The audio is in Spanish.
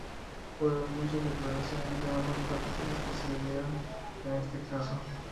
Fueron muchas las declaraciones de ambas partes las que se dieron en este caso.